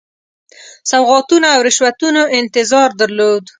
سوغاتونو او رشوتونو انتظار درلود.